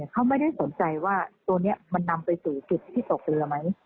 เขาไม่ได้สนใจว่าตัวนี้มันนำไปสู่จุดที่ตกเรือไหม